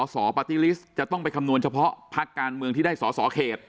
สปาร์ตี้ลิสต์จะต้องไปคำนวณเฉพาะพักการเมืองที่ได้สอสอเขต